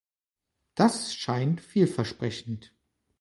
Das scheint vielversprechend.